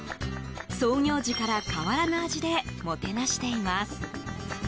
創業時から変わらぬ味でもてなしています。